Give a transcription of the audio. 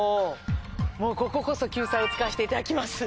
もうこここそ救済を使わせていただきます。